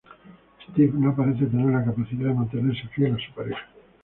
Steve no parece tener la capacidad de mantenerse fiel a su pareja.